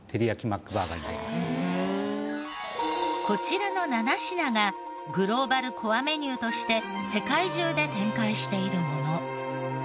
こちらの７品がグローバルコアメニューとして世界中で展開しているもの。